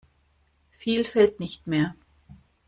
Viel fehlt nicht mehr.